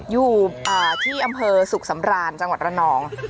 อยู่ที่อำเภอสุขสำราญจังหวัดระนอง